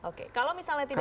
oke kalau misalnya tidak